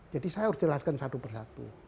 jadi saya harus jelaskan satu persatu